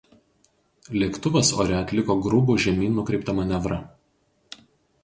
Lėktuvas ore atliko grubų žemyn nukreiptą manevrą.